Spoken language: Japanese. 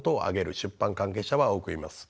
出版関係者は多くいます。